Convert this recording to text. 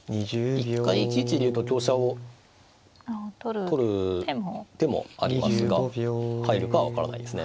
一回１一竜と香車を取る手もありますが入るかは分からないですね。